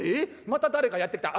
また誰かやって来た。